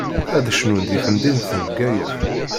Ad cnun di temdint n Bgayet.